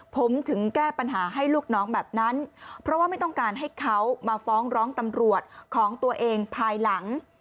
ผมถึงแก้ปัญหาให้ลูกน้องแบบนั้นเพราะว่าไม่ต้องการให้เขามาฟ้องร้องตำรวจของตัวเองภายหลัง